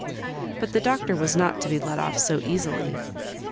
But the Doctor was not to be let off so easily.